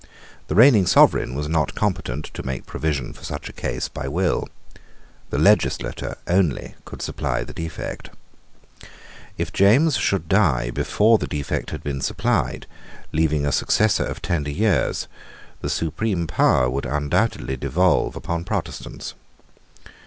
The reigning sovereign was not competent to make provision for such a case by will. The legislature only could supply the defect. If James should die before the defect had been supplied, leaving a successor of tender years, the supreme power would undoubtedly devolve on Protestants.